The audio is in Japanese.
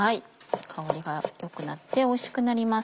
香りが良くなっておいしくなります。